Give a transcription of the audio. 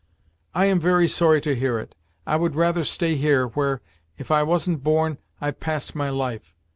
"I am very sorry to hear it. I would rather stay here, where, if I wasn't born, I've passed my life.